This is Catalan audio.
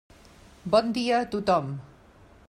Bon dia a tothom.